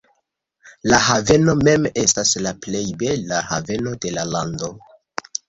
La haveno mem estas la plej bela haveno de la lando.